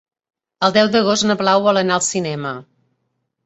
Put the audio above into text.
El deu d'agost na Blau vol anar al cinema.